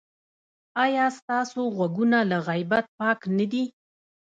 ایا ستاسو غوږونه له غیبت پاک نه دي؟